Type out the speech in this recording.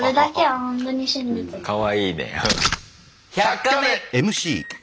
かわいいね。